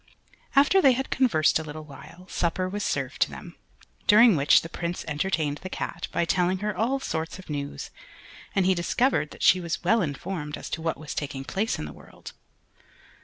After they had conversed a little while, supper was served to them, during which the Prince entertained the Cat by telling her all sorts of news, and he discovered that she was well informed as to what was taking place in the world.